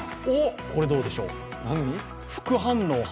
これはどうでしょう。